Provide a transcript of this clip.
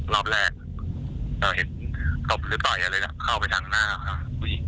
รอบแรกเห็นตบหรือต่อยอะไรอย่างเงี้ยเข้าไปทางหน้าผู้หญิง